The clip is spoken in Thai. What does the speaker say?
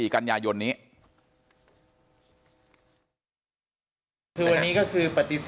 ๑๔กันยายนนี้